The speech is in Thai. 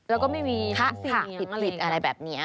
แล้วก็ไม่มีคำสินเนียงอะไรอย่างนี้